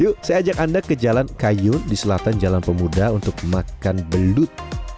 yuk saya ajak anda ke jalan kayun di selatan jalan pemuda untuk makan belut